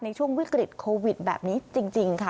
ในช่วงวิกฤตโควิดแบบนี้จริงค่ะ